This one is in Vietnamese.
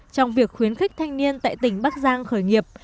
trong việc khuyến khích thanh niên tại tỉnh bắc giang khởi nghiệp